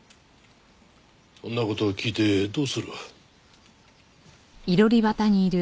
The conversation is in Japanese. そんな事を聞いてどうする？